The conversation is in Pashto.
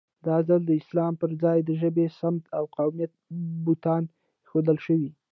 دا ځل د اسلام پر ځای د ژبې، سمت او قومیت بوتان اېښودل شوي.